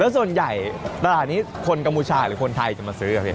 ส่วนใหญ่ตลาดนี้คนกัมพูชาหรือคนไทยจะมาซื้อครับพี่